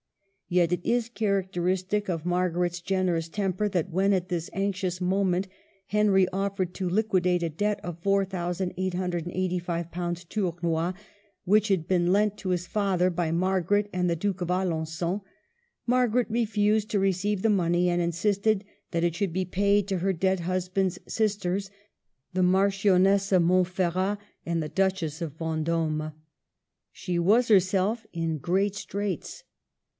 Yet it is characteristic of Mar garet's generous temper that when, at this anx ious moment, Henry offered to liquidate a debt of ^4,885 Tournois, which had been lent to his father by Margaret and the Duke of Alengon, Margaret refused to receive the money, and in sisted that it should be paid to her dead hus band's sisters, the Marchioness of Montferrat and the Duchess of Venddme. She was her self in great straits.